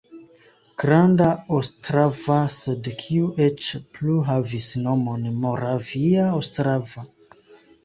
Granda Ostrava, sed kiu eĉ plu havis nomon Moravia Ostrava.